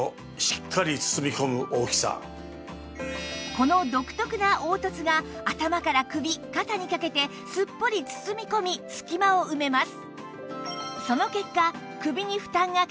この独特な凹凸が頭から首・肩にかけてすっぽり包み込み隙間を埋めます